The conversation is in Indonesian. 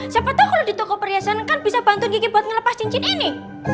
siapa tau kalau di toko perhiasan kan bisa bantuin kiki buat ngelepas cincin ini